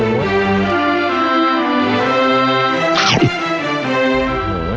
โอ้โห